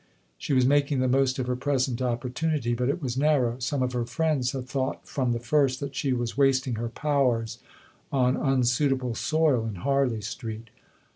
She was making the most of her present opportunity, but it was narrow. Some of her friends had thought from the first that she was wasting her powers on unsuitable soil in Harley Street.